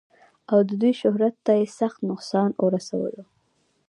او د دوي شهرت تۀ ئې سخت نقصان اورسولو